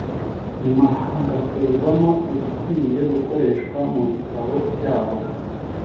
nyuma hagatorwamo izikwiye gukoreshwa mu bitabo byabo